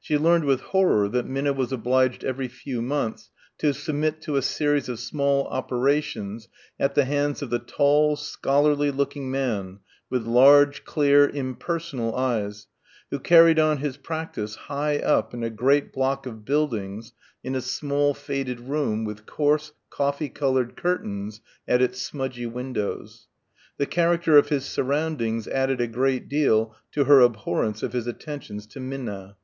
She learned with horror that Minna was obliged every few months to submit to a series of small operations at the hands of the tall, scholarly looking man, with large, clear, impersonal eyes, who carried on his practice high up in a great block of buildings in a small faded room with coarse coffee coloured curtains at its smudgy windows. The character of his surroundings added a great deal to her abhorrence of his attentions to Minna.